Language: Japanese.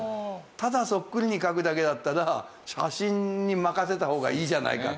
ただそっくりに描くだけだったら写真に任せた方がいいじゃないかって。